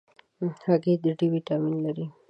هګۍ د D ویټامین لري.